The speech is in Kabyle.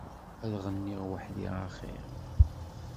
Ad ɣenniɣ weḥdi a xir.